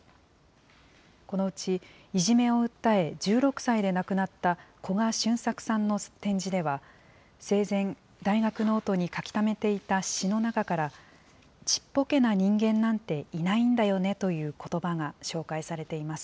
このうち、いじめを訴え、１６歳で亡くなった古賀洵作さんの展示では、生前、大学ノートに書きためていた詩の中から、ちっぽけな人間なんていないんだよねということばが紹介されています。